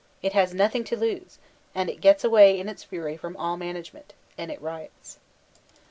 It has nothing to lose : and it gets away, in its fury, from all management; and it riots.